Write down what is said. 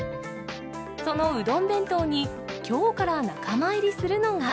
そのうどん弁当に、きょうから仲間入りするのが。